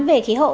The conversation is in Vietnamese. về khí hậu